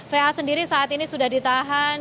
va sendiri saat ini sudah ditahan